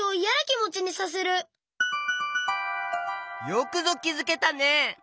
よくぞきづけたね！